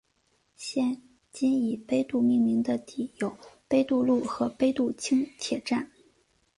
现今以杯渡命名的地有杯渡路和杯渡轻铁站。